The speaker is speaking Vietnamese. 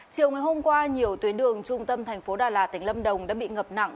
chiều ngày hôm qua nhiều tuyến đường trung tâm thành phố đà lạt tỉnh lâm đồng đã bị ngập nặng